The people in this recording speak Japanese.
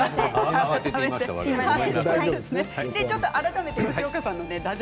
すみません。